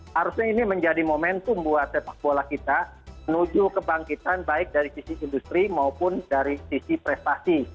harusnya ini menjadi momentum buat sepak bola kita menuju kebangkitan baik dari sisi industri maupun dari sisi prestasi